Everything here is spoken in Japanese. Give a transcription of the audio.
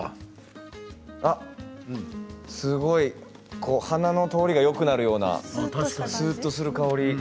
すごい鼻の通りがよくなるようなすーっとする香り。